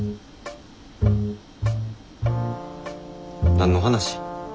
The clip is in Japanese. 何の話？